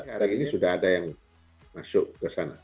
sekarang ini sudah ada yang masuk ke sana